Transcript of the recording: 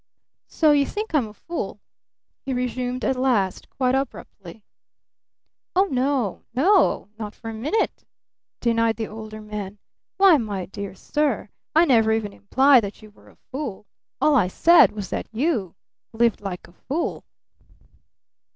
"So you think I'm a fool?" he resumed at last quite abruptly. "Oh, no no! Not for a minute!" denied the Older Man. "Why, my dear sir, I never even implied that you were a fool! All I said was that you lived like a fool!"